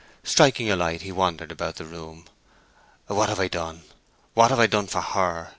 Striking a light, he wandered about the room. "What have I done—what have I done for her?"